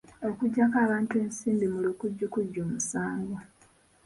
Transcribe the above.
Okugyako abantu ensimbi mu lukujjukujju musango.